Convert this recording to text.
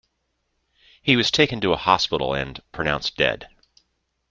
He was taken to a hospital and pronounced dead.